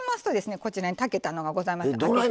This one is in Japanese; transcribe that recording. こちらに炊けたのがございます。